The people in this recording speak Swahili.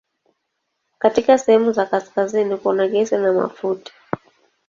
Katika sehemu za kaskazini kuna gesi na mafuta.